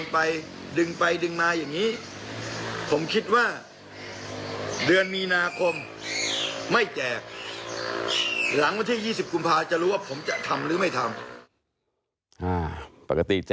ปกติแจกที่